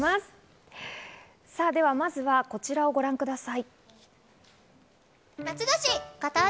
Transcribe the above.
では、まずはこちらをご覧ください。